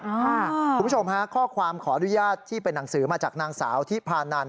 คุณผู้ชมฮะข้อความขออนุญาตที่เป็นหนังสือมาจากนางสาวทิพานัน